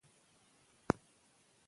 مور د ماشوم د خطرناکو شيانو مخه نيسي.